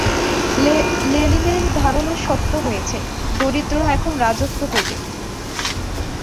লেনিনের ধারণা সত্য হয়েছে, দরিদ্ররা এখন রাজত্ব করবে।